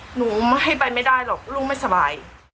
หนูไม่ไปไม่ได้หรอกลูกไม่สบาย